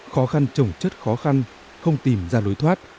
khó khăn trồng chất khó khăn không tìm ra lối thoát